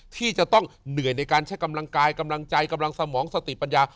ที่จะต้องเหนื่อยในการใช้กำลังกายกำลังใจกำลังสมองสติปัญญา